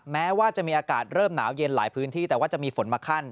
แม้ว่าจะมีอากาศเริ่มหนาวเย็นหลายพื้นที่แต่ว่าจะมีฝนมาขั้น